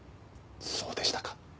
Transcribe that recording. そうでしたか。